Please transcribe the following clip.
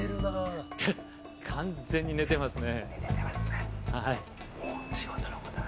完全に寝てますね。